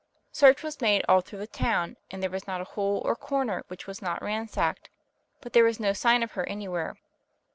Search was made all through the town, and there was not a hole or corner which was not ransacked, but there was no sign of her anywhere.